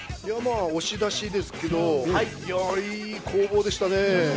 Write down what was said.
押し出しですけど、いい攻防そうでしたね。